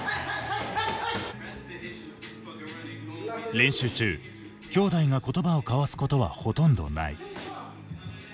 練習中兄弟が言葉を交わすことはほとんどない。